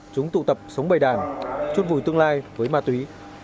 chúng tụ tập sống bầy đàn chút vùi tương lai với ma túy